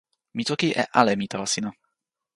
mi toki e ale mi tawa sina.